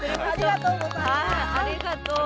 はいありがとう。